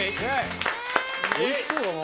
おいしそうだな。